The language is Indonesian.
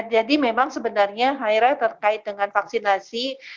jadi memang sebenarnya akhirnya terkait dengan vaksinasi